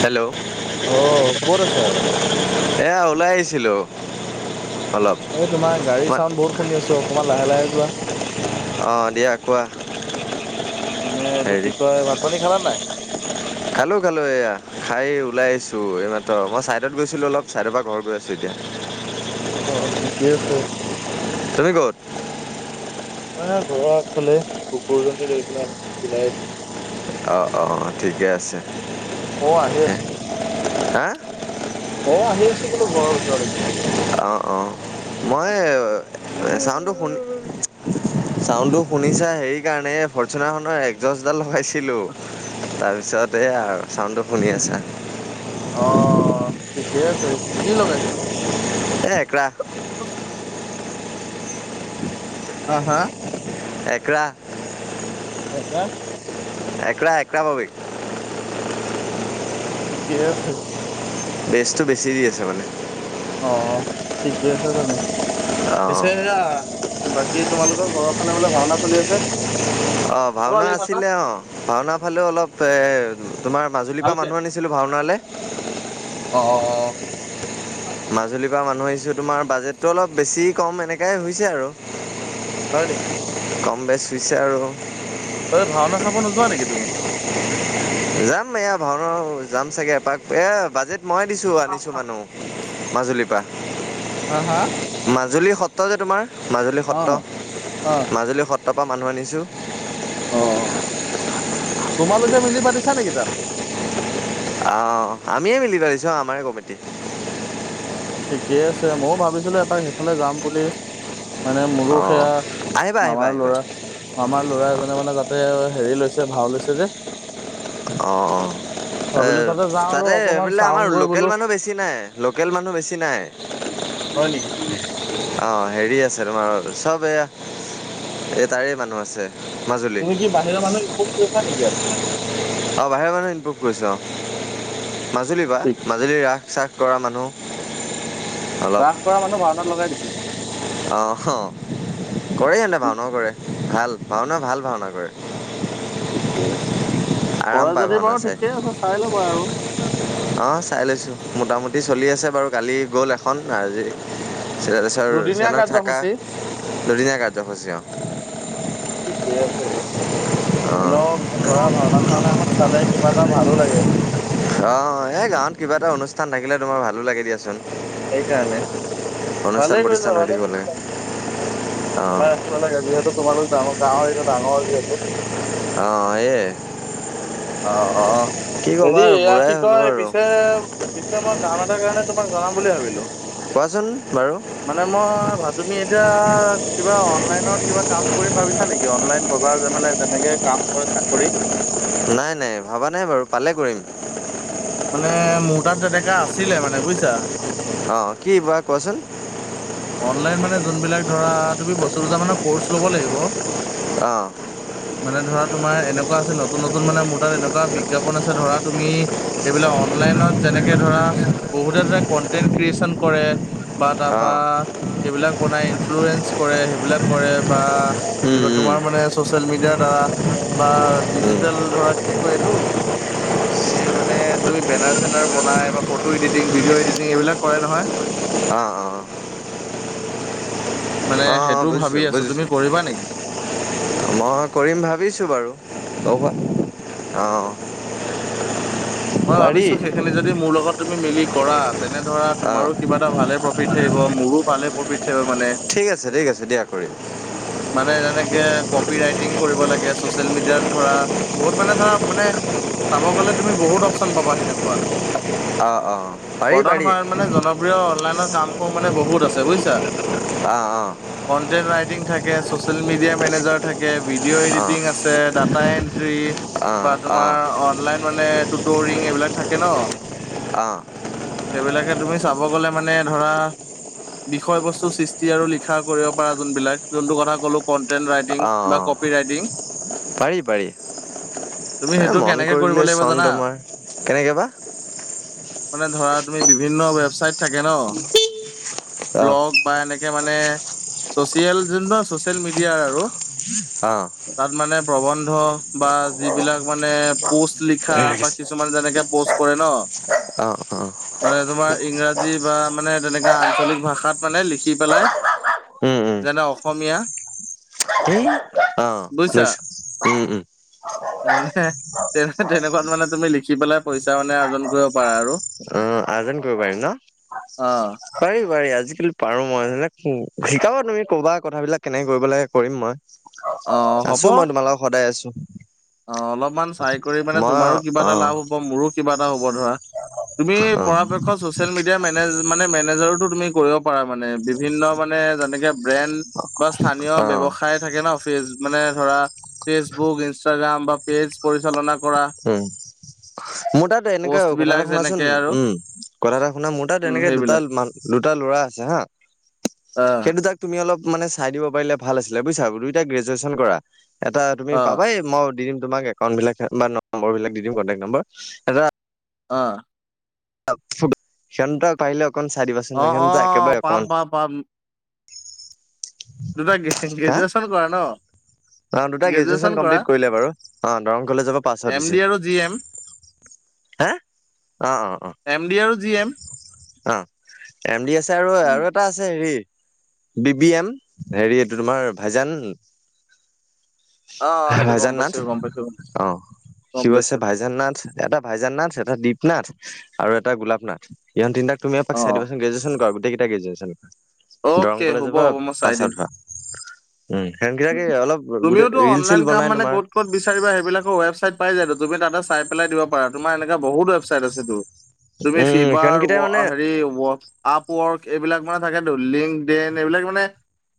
Hello অ ক'ত আছা এয়া ওলাই আহিছিলো অলপ এই তোমাৰ গাড়ী চাউণ্ড বহুত শুনিছোঁ অকমান লাহে লাহে যোৱা। অঁ দিয়ক মানে এইটো কি হেৰি কয় ভাত পানী খালা নাই? খালো খালো এয়া খাই ওলাই আহিছো এইমাত্ৰ মই ছাইডত গৈছিলো অলপ ছাইডৰ পৰা ঘৰ গৈ আছো এতিয়া অ ঠিকে আছে তুমি ক'ত? মই ঘৰৰ আগফালে কুকুৰজনী লৈ পেলাই অ ওলাই আহিছোঁ। অ অ ঠিকে আছে অ আহি আছো হা অ আহি আছো বোলো ঘৰৰ ভিতৰলৈকে। অ অ মই চাউনডটো শুনি চাউণ্ড টো শুনিছা হেৰি কাৰণে ফৰ্চনাৰ খনৰ এজছডাল লগাইছে। ছিলো তাৰপিছতে এ আৰু চাউনটো শুনি আছা অ ঠিকে আছে কি লগাইছা? এ কৰা অ অ হা একৰা একৰা একৰা একৰা বাবে থিকে আছে বেছতটো বেছি দি আছে মানে অ ঠিকে আছে তোনে পিছে অঁ সেয়া বাকী তোমালোকৰ ঘৰৰ ফালে বোলে ভাওনা চলি আছে অ ভাওনা ওলালি মাতা আছিলে অ ভাওনা ফালেও অলপ এ তোমাৰ মাজুলীৰ পৰা ভালকে মানুহ আনি ছিলোঁ ভাওনালে অ মাজুলীৰ পৰা মানুহ আহিছোঁ তোমাৰ বাজেটটো অলপ বেছি কম এনেকাই হৈছে আৰু হয় নেকি? কম বেছ হৈছে আৰু এ ভাওনা চাব নোযোৱা নেকি তুমি যাম এয়া ভাওনা যাম চাগে এপাক এ বাজেট মই দিছো আনিছো মানুহ মাজুলীৰ পা হা হা মাজুলী সত্ৰ যে তোমাৰ মাজুলী অ সত্ৰ মাজুলী সত্ৰৰ পৰা মানুহ আনিছোঁ অ অ তোমালোকে মিলি পাতিছা নেকি তাত অ আমিয়ে মিলি পাতিছোঁ আমাৰে কমিটি অ ঠিকেই আছে ময়ো ভাবিছিলো এবাক সেইফালে যাম বুলি মানে মোৰো অঁ সেয়া আহিবা আহিবা মামাৰ আহিবা ল'ৰা মামাৰ ল'ৰা এজনে মানে যাতে হেৰি লৈছে ভাও লৈছে যে অ অ এ ভাবিলো যাওঁ আৰু তাতে অকমান বোলে আমাৰ চাওঁগৈ লোকেল বোলো মানুহ বেছি বেছি নাই লোকেল মানুহ বেছি নাই হয় নেকি অ হেৰি আছে তোমাৰ চব এয়া এই তাৰে মানুহ আছে মাজুলী তুমি অ কি বাহিৰৰ মানুহ ইম্পৰ্ট কৰিছা নেকি ইয়াত বাহিৰৰ মানুহে ইমপ্ৰুভ কৰিছোঁ অ মাজুলী পা ঠিক মাজুলীৰ ৰাস চাস কৰা মানুহ অলপ। ৰাস কৰা মানুহ ভাওনাত লগাই দিছে। অ অহ কৰে ইহতোও উম ভাওনাও কৰে ভাল ভাওনাও ভাল ভাওনা কৰে। ঠিকেই আছে আৰাম কৰে পায় যদি ভাওনা বাৰু চাই। ঠিকে আছে চাই লবা আৰু অ', চাই লৈছো মোটামুটি চলি আছে বাৰু কালি গ'ল এখন আজি চেৰ চৰ দুদিনীয়া ছেকেণ্ডত থকা কাৰ্যসূচী দুদিনীয়া কাৰ্যসূচী অ ঠিকে আছে, অ'। এনেও ধৰা ভাওনা চাওনা এখন চালে। কিবা এটা ভালো লাগে। অ', এই গাঁৱত কিবা এটা অনুষ্ঠান থাকিলে তোমাৰ ভালো লাগে দিয়াচোন। সেইকাৰণে ভাল অনুষ্ঠান কৰিছ প্ৰতিষ্ঠান হৈ ভালে থাকিব লাগে। কৰিছ অ', তোমাৰ শিকিব লাগে যিহেতু তোমালোক ডাঙৰ গাঁৱৰ এৰিয়াতো ডাঙৰ যিহেতু অ এ অ অ কি ক'বা হেৰি আৰু এইয়া বুঢ়াই কি হ'লো কয় আৰু পিছে পিছে মই কাম এটা কাৰণে তোমাক জনাম বুলি ভাবিলো কোৱাচোন বাৰু মানে মই তুমি এতিয়া কিবা অনলাইনত কিবা কাম কৰিম ভাবিছা নেকি অনলাইন বজাৰ যে মানে যেনেকে কাম কৰে চাকৰি নাই নাই ভবা নাই বাৰু পালে কৰিম মানে মোৰ তাত তেনেকা আছিলে মানে বুইছা। অ', কি বা কোৱাচোন অনলাইন মানে যোনবিলাক ধৰা তুমি বস্তু দুটা মানে কোৰ্চ লব লাগিব। অ', মানে ধৰা তোমাৰ এনেকুৱা আছে নতুন নতুন মানে মোৰ তাত এনেকুৱা বিজ্ঞাপন আছে ধৰা তুমি এইবিলাক অনলাইনত যেনেকে ধৰা বহুতে ধৰা কন্টেন্ট ক্ৰিয়েচন কৰে। বা তাৰপা অ', এইবিলাক বনাই ইনফ্লয়েঞ্চ কৰে সেইবিলাক কৰে বা উম, যিবোৰ উম, তোমাৰ মানে ছ'চিয়েল মিডিয়াৰ দ্বাৰা বা উম, ডিজিটেল ধৰা কি কয় এইটো এই মানে তুমি বেনাৰ চেনাৰ বনাই বা ফটো এডিটিং ভিডিঅ' এডিটিং এইবিলাক কৰে নহয়। অ', অ', মানে অ', সেইটোও ভাবি বুজিছোঁ আছো তুমি বুজিছোঁ কৰিবা নেকি মই কৰিম ভাবিছো বাৰু ক অ', মই পাৰি ভাবিছো সেইখিনি যদি মোৰ লগত তুমি মিলি কৰা তেনে ধৰা অ', তোমাৰো কিবা এটা ভালে প্ৰফিট উঠব মোৰো ভালে প্ৰফিট থাকিব মানে ঠিক আছে ঠিক আছে দিয়া কৰিম মানে যেনেকে কপি ৰাইটিং কৰিব লাগে চচিয়েল মিডিয়াত ধৰা বহুত মানে ধৰা মানে চাব গ'লে তুমি বহুত অপচন পাবা সেনেকুৱাত অ', অ', পাৰি বৰ্তমান পাৰি সময়ত মানে জনপ্ৰিয় অনলাইনৰ কামসমূহ মানে বহুত আছে বুজিছা। অ', অ', কনটেণ্ট ৰাইটিং থাকে ছ'চিয়েল মিডিয়া মেনেজাৰ থাকে। ভিডিঅ' অ', অ', এডিটিং আছে। ডাটা এন্ট্ৰি বা অ', তোমাৰ অনলাইন মানে টোৰিং এইবিলাক থাকে ন অ', সেইবিলাকে তুমি চাব গ'লে মানে ধৰা বিষয় বস্তু সৃষ্টি আৰু লিখা কৰিব পাৰা যোন বিলাক যোনটো কথা কলো কন্টেণ্ট ৰাইটিং অ', বা অ'। কপি ৰাইটিং পাৰি পাৰি তুমি এ সেইটো মন কেনেকে কৰিলে কৰিব লাগিব চন জানা তোমাৰ কেনেকে কৰিবা মানে ধৰা তুমি বিভিন্ন ৱেবচাইট থাকে ন অ ব্লগ বা এনেকে মানে চ'চিয়েল যোন ন ছ'চিয়েল মিডিয়াৰ আৰু অ', তাত মানে প্ৰবন্ধ বা যিবিলাক মানে পোষ্ট লিখা বা তোমাক যেনেকে প'ষ্ট কৰে ন অ', অ', মানে তোমাৰ ইংৰাজী বা মানে তেনেকা আঞ্চলিক ভাষাত মানে লিখি পেলাই উম উম যেনে অসমীয়া অ বুজিছা উম উম মানে তেনেকুৱাত মানে তুমি লিখি পেলাই পইচা মানে অৰ্জন কৰিব পাৰা আৰু অ আজন কৰিব পাৰিম ন অ পাৰি পাৰি আজিকালি পাৰো মই যে শিকাবা তুমি ক'বা কথাবিলাক কেনেকে কৰিব লাগে কৰিম অ মই হ'ব আছো মই তোমাৰ লগত সদায় আছো অ অলপমান চাই কৰি মানে মই তোমাৰো কিবা অ এটা লাভ হব মোৰো কিবা এটা হব ধৰা তুমি অ পৰাপক্ষত চচিয়েল মিডিয়া মেনেজ মানে মেনেজাৰতো তুমি কৰিব পাৰা মানে বিভিন্ন মানে যেনেকে ব্ৰেণ্ড বা স্থানীয় অ ব্যৱসায়ত থাকে ন মানে ধৰা ফেচবুক ইনষ্টাগ্ৰাম পেজ পৰিচালনা কৰা উম মোৰ তাত এনেকা পষ্ট কথা বিলাক এটা শুনাচোন যেনেকে আৰু উম কথা এটা শুনা মোৰ তাত উম এনেকে দুটা সেইবিলাক দুটা ল'ৰা আছে হা অ সেইটো তাক তুমি অলপ মানে চাই দিব পাৰিলে ভাল আছিলে বুজিছা দুইটা গ্ৰেজুৱেচন কৰা এটা তুমি অ পাবাই মই দিম তোমাক একাউন্ট বিলাক বা নম্বৰ বিলাক দি দিম কণ্টেক্ট নম্বৰ এটা অ সিহঁতটা পাৰিলে অকণ চাই দিব অ চুন অ সিহঁত একেবাৰে পাম অকণ পাম পাম দুটা হা গ্ৰেজুৱেচন কৰা ন অ দুটাই গ্ৰেজুৱেচন কমপ্লিট কৰিলে বাৰু অ দৰং কলেজৰ পৰা পাছ আউট এম ডি হৈছে আৰু জি এম হা? অঁ অঁ এম ডি আৰু জি এম অঁ, অঁ। এম ডি আছে আৰু আৰু এটা আছে হেৰি বি বি এম হেৰি এইটো তোমাৰ ভাইজান অ সেইটো গম ভাইজান নাথ পাইছো গম পাইছো অঁ গম সিও আছে পাইছো ভাইজান নাথ এটা ভাইজান নাথ, এটা দীপ নাথ আৰু এটা গোলাপ নাথ। ইহঁত তিন তাক তুমি এপাক অ চাই দিবাচোন, গ্ৰেজুৱেচন কৰা গোটেই গ্ৰেজুৱেচন। দৰং অ'কে কলেজৰ হ'ব পৰা হ'ব মই চাই পাছ দিম আউট, উম সিহঁতকিতাক তাকে উম অলপ গোটেই তুমিওতো ৰিল চিল অনলাইন কাম বনাই মানে তোমাৰ। ক'ত ক'ত বিচাৰিবা সেইবিলাকৰ ৱেবছাইট পাই যায়টো, তুমি তাতে চাই পেলাই দিব পাৰা তোমাৰ এনেকুৱা বহুত ৱেবছাইট আছেতো। তুমি উম ফিভাৰ সিহঁতকেইটাই মানে হেৰি আপ ৱৰ্ক এইবিলাক মানে থাকে লিংকডইন এইবিলাক মানে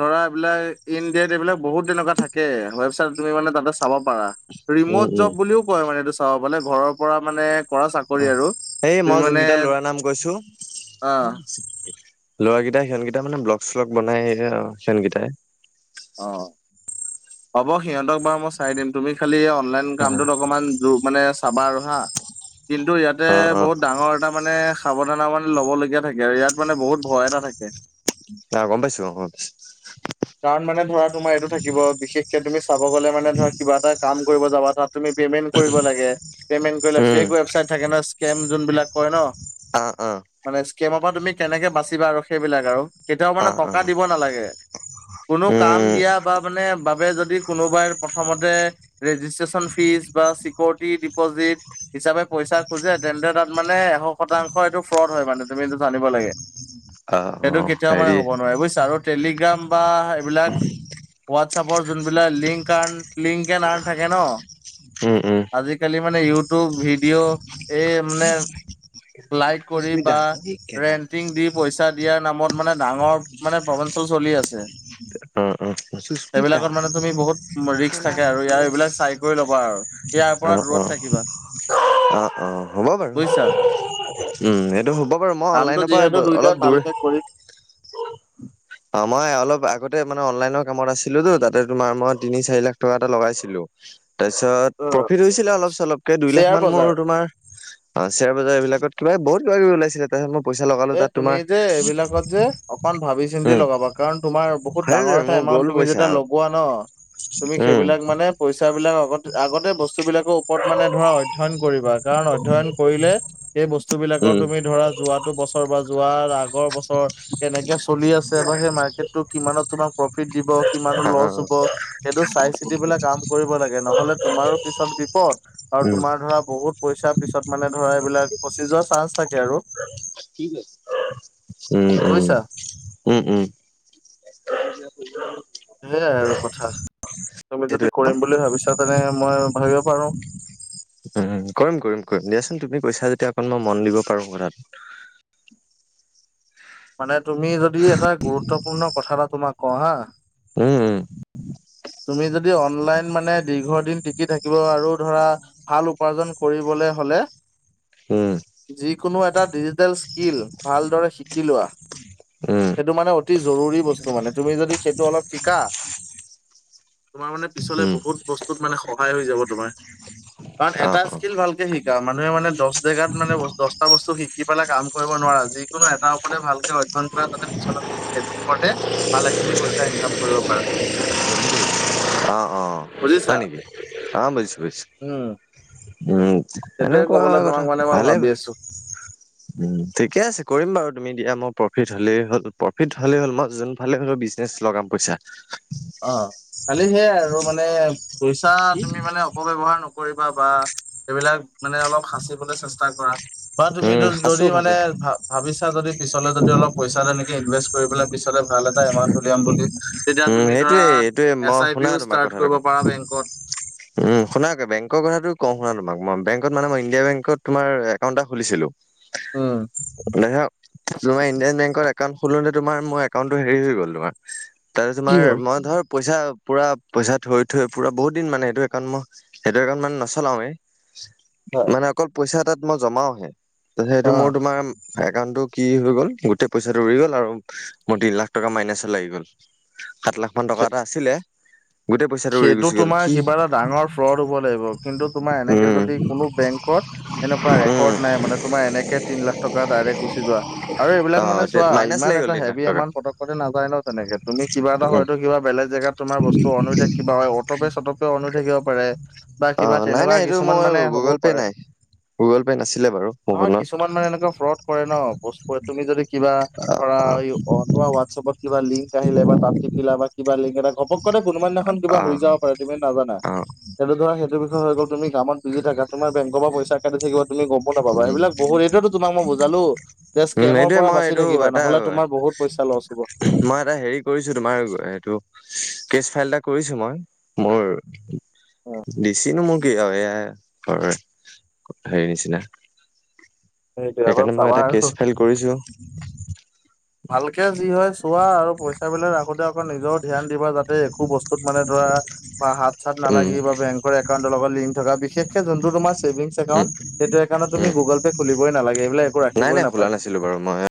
ধৰা এইবিলাক ইণ্ডিয়াত এইবিলাক বহুত তেনেকুৱা থাকে ৱেবছাইটত তুমি চাব পাৰা, উম ৰিম'ট উম জব বুলিও কয় মানে এইটো অ' মানে ঘৰৰ পৰা মানে কৰা অ চাকৰি আৰু এই তুমি মই মানে, যোনকেইটা ল'ৰাৰ নাম কৈছো অঁহ ল'ৰাকেইটা সিহঁতকেইটাই মানে ব্লগ শ্লগ বনাই সিহঁতকেইটাই। অ' হ'ব সিহঁতক বাৰু মই চাই দিম তুমি খালি অনলাইন কামটোত অকমান মানে চাবা আৰু হা, কিন্তু ইয়াতে অ অ বহুত ডাঙৰ এটা মানে সাৱধান মানে ল'বলগীয়া থাকে আৰু ইয়াত মানে বহুত ভয় এটা থাকে। অঁ গম পাইছোঁ অঁ। কাৰণ মানে ধৰা তোমাৰ এইটো থাকিব বিশেষকে তুমি চাব গলে মানে ধৰা কিবা এটা কাম কৰিব যাবা তাত তুমি পেমেন্ট কৰিব লাগে, পেমেন্ট কৰিলে উম ফেক ৱেবছাইট থাকে ন স্কেম যোনবিলাক কয় ন। অঁ অঁ। মানে স্কেমৰ পৰা তুমি কেনেকে বাচিবা আৰু সেইবিলাক আৰু কেতিয়াও অ মানে অ টকা দিব নালাগে। কোনো কাম উম দিয়া বা মানে বাবে যদি কোনোবাই প্ৰথমতে ৰেজিষ্ট্ৰেশ্যন ফিজ বা চিকিউৰিটি ডিপ'জিট হিচাপে পইচা খোজে তেন্তে তাত মানে এশ শতাংশ এইটো ফ্ৰড হয় মানে, তুমি এইটো জানিব লাগে। অঁ। সেইটো কেতিয়াও মানে হ'ব নোৱাৰে বুজিছা আৰু টেলিগ্ৰাম বা এইবিলাক ৱাটছআপৰ যোনবিলাক লিংক আৰ্ন লিংকডইন আৰ্ণ থাকে ন? উম উম। আজিকালি মানে ইউটিউব ভিডিঅ' এই মানে লাইক কৰি বা ৰেন্টিং দি পইচা দিয়াৰ নামত মানে ডাঙৰ মানে প্ৰবঞ্চল চলি আছে। অ সেইবিলাকত মানে তুমি বহুত ৰিস্ক থাকে আৰু ইয়াৰ এইবিলাক চাই দ কৰি ল'বা আৰু ইয়াৰ পৰা দূৰত থাকিবা। অঁ অঁ, হ'ব বাৰু বুজিছা উম সেইটো হ'ব বাৰু মই অনলাইনৰ পৰা অলপ দূৰ কৰিম অঁ মই অলপ আগতে মানে অনলাইনৰ কামত আছিলো তো তাতে তোমাৰ মই তিনি চাৰি লাখ টকা এটা লগাইছিলো। তাৰপিছত আহ প্ৰফিট হৈছিলে অলপ চলপকে দুই লাখ শ্বেয়াৰ মান মোৰ বজাৰ তোমাৰ অ শ্বেয়াৰ বজাৰ এইবিলাকত কিবা বহুত কিবা কিবি ওলাইছিলে তাৰপিছত মই পইচা লগালো তাত তোমাৰ অকণমান ভাবি চিন্তি উম, লগাবা কাৰণ তোমাৰ বহুত ডাঙৰ সেইটোৱে এটা মোৰ এমাউণ্ট গ'ল তুমি পইচা যেতিয়া লগোৱা ন, তুমি উম, সেইবিলাক মানে পইচা বিলাক আগত আগতে বস্তু বিলাকৰ ওপৰত মানে ধৰা অধ্যয়ন কৰিবা। কাৰণ অধ্যয়ন কৰিলে সেই বস্তু বিলাকৰ উম, তুমি ধৰা যোৱাটো ব ছৰ বা যোৱাৰ আগৰ বছৰ কেনেকে চলি আছে বা সেই মৰ্কেটটো কিমানত তোমাক প্ৰফিট দিব কিমানৰ অ', লছ অ', হ'ব। সেইটো চাই -চিতিপেলাই কাম কৰিব লাগে। নহলে তোমাৰো পিছত বিপদ আৰু উম, তোমাৰ ধৰা বহুত পইচাৰ পিছত মানে ধৰা এইবিলাক ফচিযোৱা চাৰ্জ থাকে আৰু। কি কৰিছে? বুজিছা? উম, উম। [unintelligible] সেয়াই আৰু কথা। তুমি সেইটোৱে যদি ন' কৰিম বুলি ভাৱিছা তেনে মই ভাৱিব পাৰোঁ। উম, কৰিম, কৰিম কৰিম। দিয়াচোন তুমি কৈছা যেতিয়া অকণ মই মন দিব পাৰোঁ কথাটোত। মানে তুমি যদি এটা গুৰুত্বপূৰ্ণ কথা এটা তোমাক কওঁ হাঁ। উম, ওঁ। তুমি যদি অনলাইন মানে দীৰ্ঘদিন টিকি থাকিব আৰু ধৰা ভাল উপাৰ্জন কৰিবলে হ'লে উম যিকোনো এটা ডিজিটেল স্কিল ভালদৰে শিকিলোৱা। উম, সেইটো মানে অতি জৰুৰী বস্তু মানে। তুমি যদি সেইটো অলপ শিকা তোমাৰ মানে পিছলে উম, বহুত বস্তুত মানে সহায় হৈ যাব তোমাৰ। কাৰণ অ', এটা অ'। স্কিল ভালকে শিকা। মানুহে মানে দশ জেগাত মানে বচ দশটা বস্তু শিক্ শিকি পেলাই কাম কৰিব নোৱাৰা। যিকোনো এটা ওপৰতে ভালকে অধ্যয়ন কৰা তাতে পিছলে সেইটো ওপৰতে ভালেখিনি পইচা ইনকাম কৰিব পাৰা। বুজিছা? আঁ, বুজিছো বুজিছোঁ। উম উম, সেইটোৱে এনেকুৱা ক'বলৈ তোমাক কথা মানে মই ভালেই ভাবি হয়। আছো উম, ঠিকে আছে কৰিম বাৰু তুমি দিয়া। মই প্ৰফিট হ'লেই হ'ল, প্ৰফিট হ'লে হ'ল মই যোনফালে হ'লো বিজ নেজ লগাম পইচা। অঁ খালি সেয়াই আৰু মানে পইচা তুমি মানে অপব্যৱহাৰ নকৰিবা বা এইবিলাক মানে অলপ সাঁচিবলৈ চেষ্টা কৰা। বা তুমি উম য খাচো যদি মানে খাচো ভা ভাৱিছা যদি পিছলে যদি অলপ পইচা তেনেকে ইনভেষ্ট কৰি পেলাই পিছলে ভাল এটা এমাউণ্ট উলিয়াম বুলি। তেতিয়া উম তুমি ধৰা সেইটোয়ে এইটোয়ে এছ মই আই শুনা পিও তোমাক ষ্টাৰ্ট কথা এটা কৰিব কওঁ পাৰা বেংকত। উম, শুনাকে বেংকৰ কথাটো কওঁ শুনা তোমাক মই। বেংকত মানে মই ইণ্ডিয়া বেংকত তোমাৰ একাউণ্ট এটা খুলিছিলোঁ। উম মানে হাঁ তুমি ইণ্ডিয়ান বেংকত এক্ একাউণ্ট খোলোতে তোমাৰ মোৰ একাউণ্টটো হেৰি হৈ গ'ল তোমাৰ তাৰপিছত কি তোমাৰ হ'ল মই ধৰ পইচা পুৰা পইচা থৈ থৈ পুৰা বহুত দিন মানে এইটো একাউণ্ট মোৰ সেইটো একাউণ্ট মানে নচলাওৱে। অ মানে অকল পইচা তাত মই জমাওহে। সেইটো মোৰ অ তোমাৰ একাউণ্টটো কি হৈ গ'ল? গোটেই পইচাটো উৰি গ'ল আৰু মোৰ তিনি লাখ টকা মাইনাচত লাগি গ'ল। সাত লাখ মান টকা এটা আছিলে। গোটেই পইচাটো উৰি সেইটো গুচি গ'ল তোমাৰ কি কিবা এটা ডাঙৰ ফ্ৰড হ'ব লাগিব কিন্তু তোমাৰ এনেকে উম যদি কোনো বেংকত এনেকুৱা ৰেকৰ্ড উম নাই মানে তোমাৰ এনেকে তিন লাখ টকা ডাইৰেক্ট গুচি যোৱা। আৰু এইবিলাক অ মানে চোৱা। মাইনাছ ইমান লাগি গ'ল এটা তিন লাখ হেভি টকা এমাউণ্ট পতককতে নাযায় ন' তেনেকে। তুমি কিবা এটা উম হয়তো কিবা বেলেগ জেগাত তোমাৰ বস্তু অন হৈ থাকিব পাৰে, অটপে - চটপে অন হৈ থাকিব পাৰে বা অ কিবা নাই তেনেকুৱা নাই এইটো কিছুমান মোৰ মানে হ'বও গুগল পে' পাৰে। নাই গুগল পে' নাছিলে বাৰু মোৰ নহয় ফোনত কিছুমান মানে এনেকুৱা ফ্ৰড কৰে ন, বচ কৰে। তুমি যদি কিবা ধৰা অ তোমাৰ ওৱাটচাপত কিবা লিংক আহিলে বা তাত টিকিলা বা কিবা লিংক এটা ঘপকতে কোনোবা দিনাখন কিবা অ হৈ যাব পাৰে তুমি নাজানা। অ সেইটো ধৰা সেইটো বিষয় হৈ গ'ল তুমি কামত বিজি থাকা, তোমাৰ বেংকৰ পৰা পইচা কাটি থাকিব তুমি গম‌ও নাপাবা। উম সেইবিলাক বহুত সেইটোয়েতো তোমাক মই বুজালো। তে উম স্কেমৰ এইটোয়ে পৰা মই বাচি এইটো থাকিবা এটা নহলে তোমাৰ বহুত পইচা লছ হ'ব। মই এটা হেৰি কৰিছো তোমাৰ এইটো কেচ ফাইল এটা কৰিছো মই। মোৰ দিছিলিনো মোৰ কি আৰু এয়া ধৰ হেৰি নিচিনা। সেইটোৱে অলপ সেইকাৰণে মই চাবা এটা আৰু কেচ ফাইল কৰিছো। ভালকে যি হয় চোৱা, আৰু পইচা বিলাক ৰাখোতে আকৌ নিজৰ ধ্যান দিবা যা- যাতে একো বস্তুত মানে ধৰা, বা হাত চাত উম নালাগিব বাবে বেংকৰ একাউণ্টৰ লগত লিংক থকা বিশেষ- যোনটো তুমাৰ ছেভিংছ উম একাউণ্ট, সেইটো একাউণ্ট উম তুমি গুগল পে' খুলই নালাগে, এইবিলাক একো ৰাখব‌ই নাপায়। ছিলো বাৰু মই